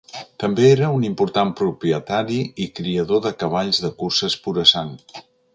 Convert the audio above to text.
També era un important propietari i criador de cavalls de curses pura sang.